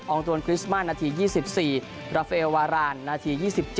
อองตวนคริสม่านาที๒๔ราเฟวารานนาที๒๗